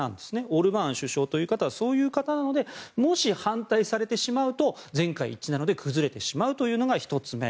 オルバーン首相という方はそういう方なのでもし、反対されてしまうと全会一致なので崩れてしまうというのが１つ目。